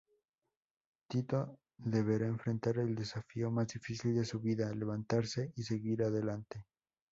Tito deberá enfrentar el desafío más difícil de su vida: levantarse y seguir adelante.